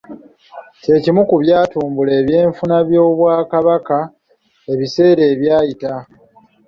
Kye kimu ku byatumbula ebyenfuna by’Obwakabaka ebiseera ebyayita.